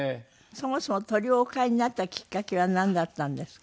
そもそも鳥をお飼いになったきっかけはなんだったんですか？